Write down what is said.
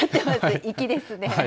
粋ですね。